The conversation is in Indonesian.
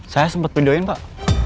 saya sempat videoin pak